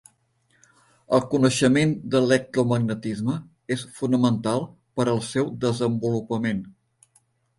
El coneixement de l'electromagnetisme és fonamental per al seu desenvolupament.